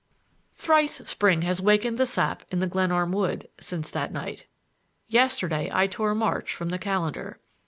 Thrice spring has wakened the sap in the Glenarm wood since that night. Yesterday I tore March from the calendar.